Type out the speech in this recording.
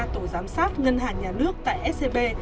tổ giám sát ngân hàng nhà nước tại scb